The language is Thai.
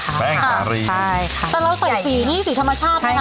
แต่เราใส่สีนี่สีธรรมชาติ